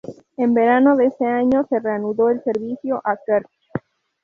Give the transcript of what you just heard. En verano de ese año se reanudó el servicio a Kerch.